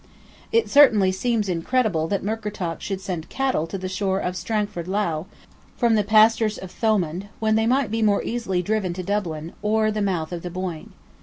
It certainly seems incredible that Murkertach should send cattle to the shore of Strangford Lough, from the pastures of Thomond, when they might be more easily driven to Dublin, or the mouth of the Boyne.